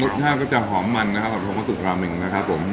รสชาติก็จะหอมมันนะครับเพราะว่าสุกราเมงนะครับผม